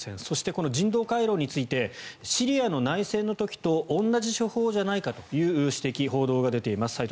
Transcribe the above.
そして、人道回廊についてシリアの内戦の時と同じ手法じゃないかという指摘報道が出ています。